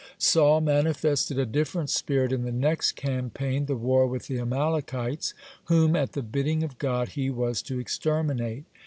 (59) Saul manifested a different spirit in the next campaign, the war with the Amalekites, whom, at the bidding of God, he was to exterminate.